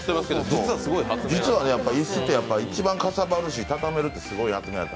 実は椅子って一番かさばるし、畳めるってすごい。